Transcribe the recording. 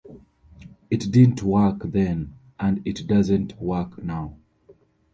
It didn't work then, and it doesn't work now.